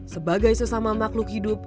sebagai sesama makhluk hidup